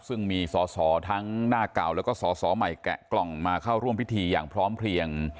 ซึ่งมีสอสอทั้งหน้าเก่าแล้วก็สอสอใหม่แกะกล่องมาเข้าร่วมพิธีอย่างพร้อมเพลียง